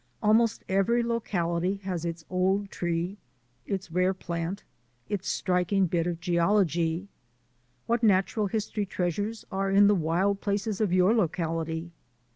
Almost every locality has its old tree, its rare plant, its striking bit of geology. What natural history treasures are in the wild places of your locality?